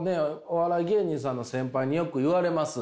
お笑い芸人さんの先輩によく言われます。